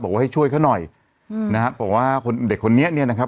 บอกว่าให้ช่วยเขาหน่อยอืมนะฮะบอกว่าคนเด็กคนนี้เนี่ยนะครับ